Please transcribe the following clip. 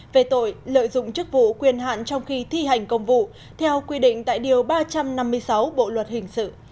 về tội lợi dụng chức vụ quyền hạn trong khi thi hành công vụ theo quy định tại điều ba trăm năm mươi sáu bộ luật hình sự